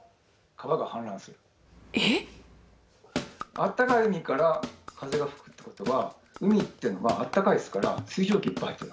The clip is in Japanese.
暖かい海から風が吹くということは、海っていうのはあったかいですから、水蒸気いっぱい。